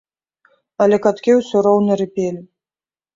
Але каткі ўсё роўна рыпелі.